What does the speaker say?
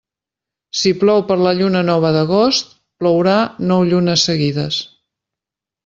Si plou per la lluna nova d'agost, plourà nou llunes seguides.